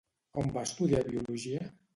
On va estudiar Biologia?